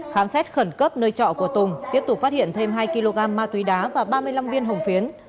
khám xét khẩn cấp nơi trọ của tùng tiếp tục phát hiện thêm hai kg ma túy đá và ba mươi năm viên hồng phiến